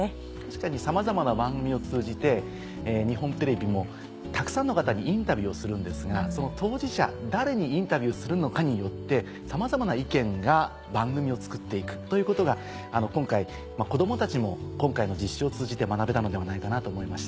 確かにさまざまな番組を通じて日本テレビもたくさんの方にインタビューをするんですがその当事者誰にインタビューするのかによってさまざまな意見が番組を作って行くということが子供たちも今回の実習を通じて学べたのではないかなと思いました。